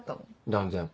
断然。